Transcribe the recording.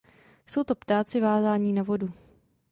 Jsou to ptáci vázání na vodu.